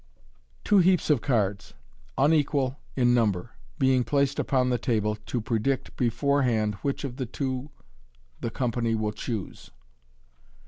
Two Heaps of Cards, unequal in Number, being placbd upon the Table, to predict beforehand which of the two the Company will choose.